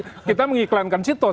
setiap hari kita mengiklankan citos